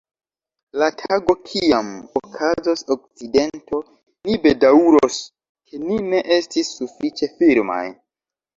La tago, kiam okazos akcidento, ni bedaŭros, ke ni ne estis sufiĉe firmaj.